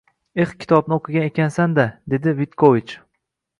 “Eh, kitobimni o’qigan ekansan-da?!” – dedi Vitkovich